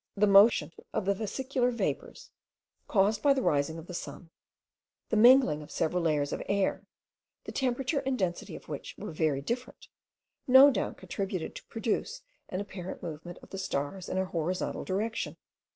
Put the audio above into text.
The motion of the vesicular vapours, caused by the rising of the sun; the mingling of several layers of air, the temperature and density of which were very different, no doubt contributed to produce an apparent movement of the stars in the horizontal direction.